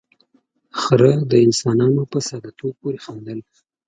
، خره د انسانانو په ساده توب پورې خندل.